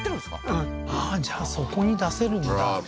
うんああーじゃあそこに出せるんだああー